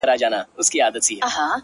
ستا دپښو سپين پايزيبونه زما بدن خوري _